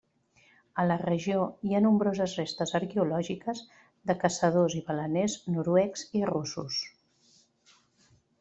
A la regió hi ha nombroses restes arqueològiques de caçadors i baleners noruecs i russos.